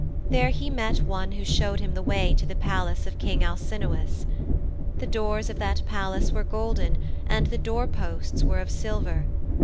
There he met one who showed him the way to the palace of King Alcinous. The doors of that palace were golden and the door posts were of silver.